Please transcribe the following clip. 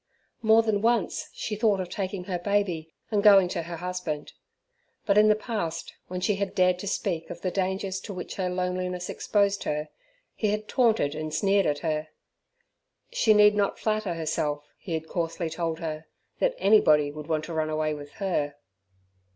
More than once she thought of taking her baby and going to her husband. But in the past, when she had dared to speak of the dangers to which her loneliness exposed her, he had taunted and sneered at her. She need not flatter herself, he had coarsely told her, that anybody would want to run away with her.